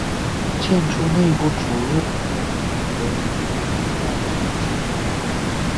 建筑内部主入口门和木楼梯样式精美。